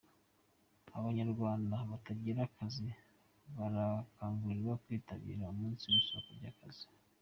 Abanyarwanda batagira akazi barakangurirwa kwitabira umunsi w’isoko ry’akazi